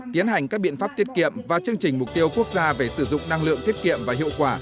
tiến hành các biện pháp tiết kiệm và chương trình mục tiêu quốc gia về sử dụng năng lượng tiết kiệm và hiệu quả